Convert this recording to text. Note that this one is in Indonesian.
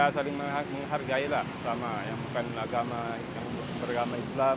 kita saling menghargai lah sama yang bukan agama yang bukan agama islam